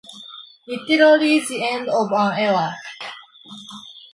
Literally the end of an era.